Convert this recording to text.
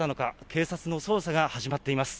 警察の捜査が始まっています。